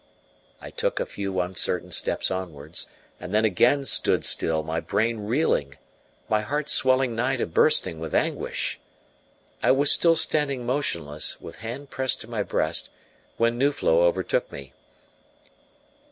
I took a few uncertain steps onwards, and then again stood still, my brain reeling, my heart swelling nigh to bursting with anguish. I was still standing motionless, with hand pressed to my breast, when Nuflo overtook me.